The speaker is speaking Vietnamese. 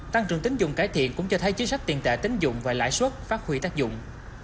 tăng trưởng tính dụng cải thiện cũng cho thấy chính sách tiền tệ tính dụng và lãi suất phát huy tác dụng